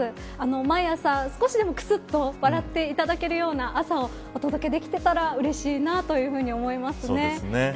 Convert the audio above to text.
毎朝少しでもくすっと笑っていただけるような朝をお届けできていたらうれしいなと思います。